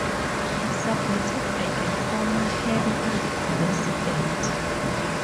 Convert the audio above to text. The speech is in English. Submitted by a former Harper resident.